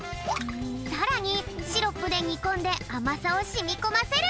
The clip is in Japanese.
さらにシロップでにこんであまさをしみこませる！